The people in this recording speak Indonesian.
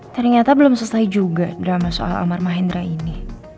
ternyata belum selesai juga drama soal amar mahendra ini